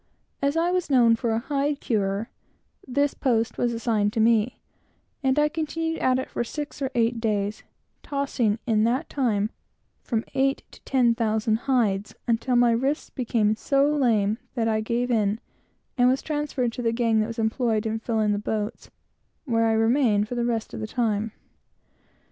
As I was known for a hide curer, this post was assigned to me, and I continued at it for six or eight days, tossing, in that time, from eight to ten thousand hides, until my wrists became so lame that I gave in; and was transferred to the gang that was employed in filling the boats, where I remained for the rest of the time.